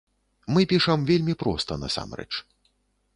Мы пішам вельмі проста, насамрэч.